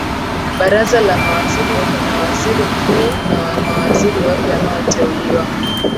Baraza la mawaziri lina waziri mkuu na mawaziri wake wanaoteuliwa